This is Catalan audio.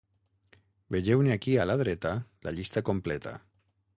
Vegeu-ne aquí a la dreta la llista completa.